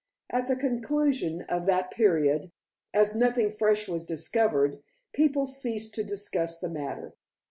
At the conclusion of that period, as nothing fresh was discovered, people ceased to discuss the matter.